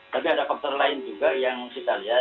tapi ada faktor lain juga yang kita lihat